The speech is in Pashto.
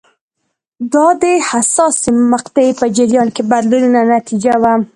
دا د حساسې مقطعې په جریان کې بدلونونو نتیجه وه.